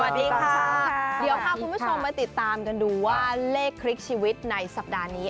เดี๋ยวค่ะคุณผู้ชนมาติดตามกันดูว่าเลขคริ๊กชีวิตในสัปดาห์นี้